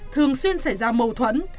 thường xuyên xảy ra mâu thuẫn